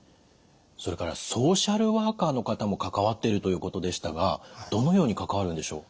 それからソーシャルワーカーの方も関わってるということでしたがどのように関わるんでしょう？